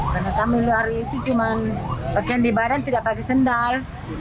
karena kami luar itu cuma bagian di badan tidak pakai sendal